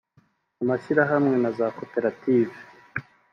amashyirahamwe na za koperative